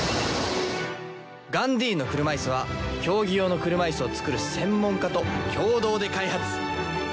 ガンディーンの車いすは競技用の車いすを作る専門家と共同で開発。